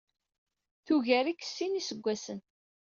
Tugar-ik s sin n yiseggasen.